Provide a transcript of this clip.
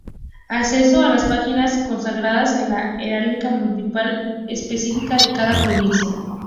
Acceso a las páginas consagradas a la heráldica municipal específica de cada provincia.